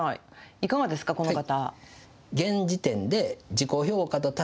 いかがですか、この方。